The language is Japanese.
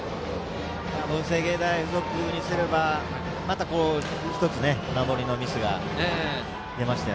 文星芸大付属にすればまた１つ、守りのミスが出ました。